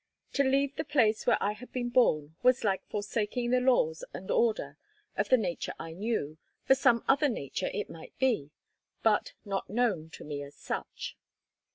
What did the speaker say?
To leave the place where I had been born was like forsaking the laws and order of the Nature I knew, for some other Nature it might be, but not known to me as such.